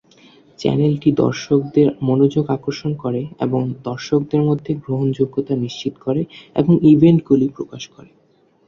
চ্যানেলটি দর্শকদের মনোযোগ আকর্ষণ করে এবং দর্শকদের মধ্যে গ্রহণযোগ্যতা নিশ্চিত করে এবং ইভেন্টগুলি প্রকাশ করে।